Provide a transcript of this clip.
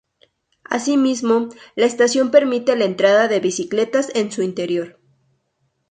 Así mismo, la estación permite la entrada de bicicletas en su interior.